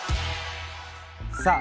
さあ